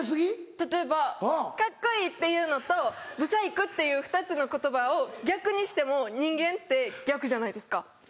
例えばカッコいいっていうのとブサイクっていう２つの言葉を逆にしても人間って逆じゃないですか。